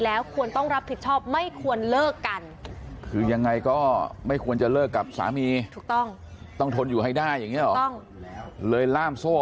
เลยล่ามโซ่เอาไว้นี่เหรอ